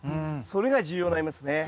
それが重要になりますね。